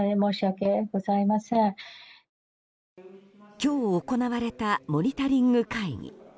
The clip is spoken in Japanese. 今日行われたモニタリング会議。